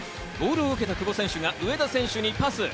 ボールを受けた久保選手が上田選手にパス。